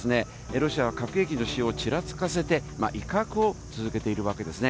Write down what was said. ロシアは核兵器の使用をちらつかせて、威嚇を続けているわけですね。